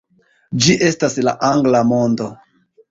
Ĝi estas la Angla modo.